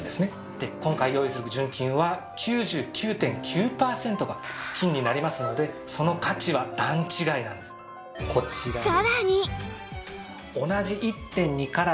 で今回用意する純金は９９．９パーセントが金になりますのでその価値は段違いなんです。もご用意致しました。